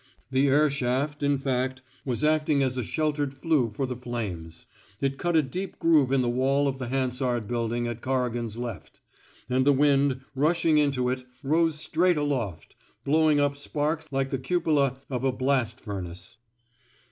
The air shaft, in fact, was acting as a sheltered flue for the flames. It cut a deep groove in the wall of the Hansard Building at Corrigan^s left; and the wind, rushing into it, rose straight aloft, blowing up sparks like the cupola of a blast furnace.